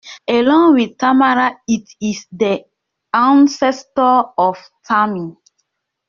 Along with Tamara it is the ancestor of "Tammy".